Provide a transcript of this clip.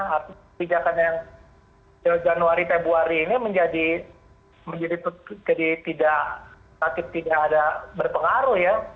artinya kebijakannya januari februari ini menjadi tidak berpengaruh ya